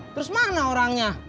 terus mana orangnya